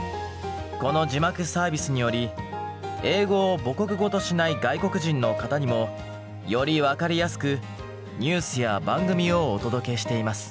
この字幕サービスにより英語を母国語としない外国人の方にもより分かりやすくニュースや番組をお届けしています。